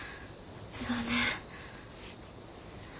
そうね。